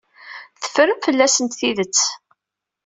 Teffrem fell-asent tidet.